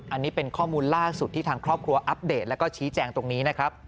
อันนี้เป็นข้อมูลล่าสุดที่ทางครอบครัวอัปเดตแล้วก็ชี้แจงตรงนี้นะครับ